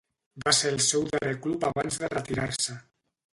Va ser el seu darrer club abans de retirar-se.